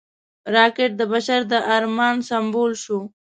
راکټ د بشر د ارمان سمبول شو